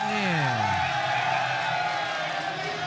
เนี่ย